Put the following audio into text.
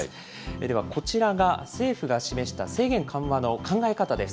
ではこちらが、政府が示した制限緩和の考え方です。